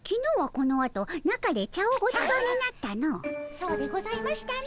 そうでございましたね。